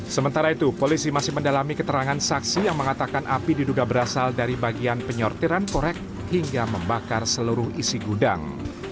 sementara itu polisi masih mendalami keterangan saksi yang mengatakan api diduga berasal dari bagian penyortiran korek hingga membakar seluruh isi gudang